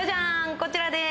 こちらです